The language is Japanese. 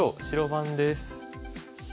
白番です。